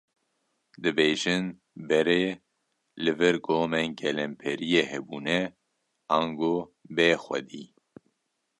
Dibêjin berê li vir gomên gelemperiyê hebûne, ango bêxwedî.